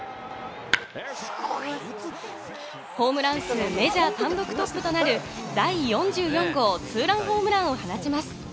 ホームラン数、メジャー単独トップとなる第４４号ツーランホームランを放ちます。